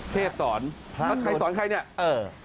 เทศสอนแล้วให้สอนใครเนี่ย